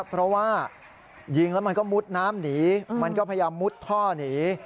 เพราะว่ายิงแล้วมันก็มุดน้ำหนีมันก็พยายามมุดท่อหนี